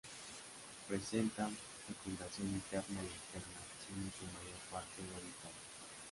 Presentan fecundación interna y externa, siendo en su mayor parte ovíparos.